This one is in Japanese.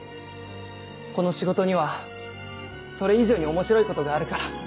この仕事にはそれ以上に面白いことがあるから。